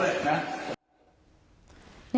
มีใบเซอร์เลยนะครับนะครับเข้ามาถ่ายรถเลยนะ